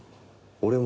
俺も。